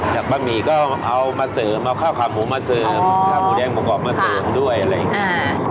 บะหมี่ก็เอามาเสริมเอาข้าวขาหมูมาเสิร์ฟขาหมูแดงประกอบมาเสริมด้วยอะไรอย่างนี้